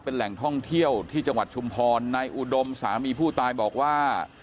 เป็นแหล่งท่องเที่ยวที่จังหวัดชุมพรนายอุดมสามีผู้ตายบอกว่า